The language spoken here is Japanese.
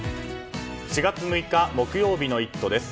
４月６日木曜日の「イット！」です。